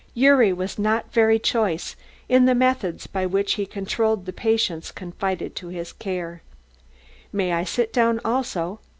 Gyuri was not very choice in the methods by which he controlled the patients confided to his care. "May I sit down also?"